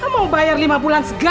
mau bayar lima bulan sekali